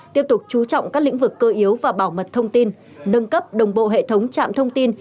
tiếp tục chú trọng các lĩnh vực cơ yếu và bảo mật thông tin nâng cấp đồng bộ hệ thống trạm thông tin